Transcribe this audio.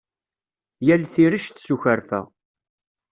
Yal tirect s ukwerfa.